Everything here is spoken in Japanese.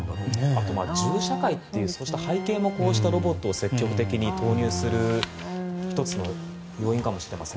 あとは銃社会というのもこうしたロボットを積極的に投入する１つの要因かもしれません。